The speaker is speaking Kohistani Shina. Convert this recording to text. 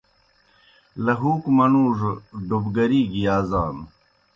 لہُوکوْ منُوڙوْ ڈوبگری گیْ یازانوْ۔